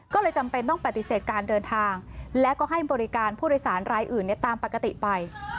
ก็เลยจำเป็นต้องปฏิเสธการเดินทางและก็ให้บริการผู้โดยสารรายอื่นตามปกติไป